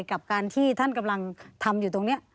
กับการที่ท่านกำลังทำอยู่ตรงนี้